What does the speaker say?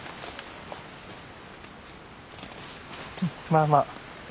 まあまあ。